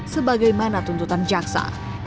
sebagaimana tuntutan jaksa